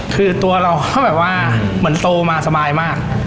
คือตัวเราก็แบบว่าเหมือนโตมาสบายมาก